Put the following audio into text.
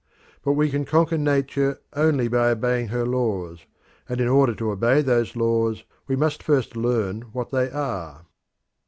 But we can conquer Nature only by obeying her laws, and in order to obey those laws we must first learn what they are.